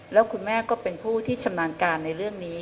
แล้วคุณแม่ก็เป็นผู้ที่ชำนาญการในเรื่องนี้